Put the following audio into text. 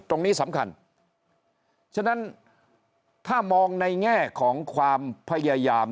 ตรงนี้สำคัญฉะนั้นถ้ามองในแง่ของความพยายาม